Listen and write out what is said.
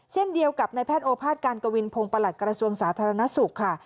เช่นเดียวกับนายแพทย์โอภาษการกวินพงศ์ประหลัดกระทรวงสาธารณสุขค่ะ